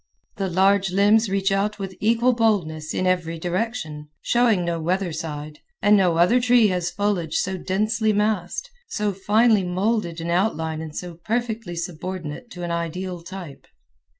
The large limbs reach out with equal boldness a every direction, showing no weather side, and no other tree has foliage so densely massed, so finely molded in outline and so perfectly subordinate to an ideal type.